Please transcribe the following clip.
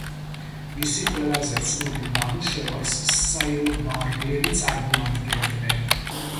მისი ყველაზე ცნობილ ნამუშევარს სილმარილები წარმოადგენდნენ.